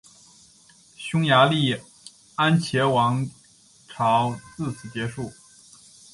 匈牙利安茄王朝自此结束。